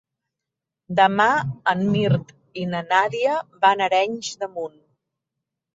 Demà en Mirt i na Nàdia van a Arenys de Munt.